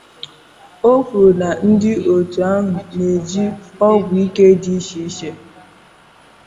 O kwuru na ndị òtù ahụ na-eji ọgwụ ike dị iche iche